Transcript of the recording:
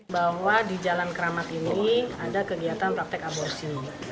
bahwa di jalan keramat ini ada kegiatan praktek aborsi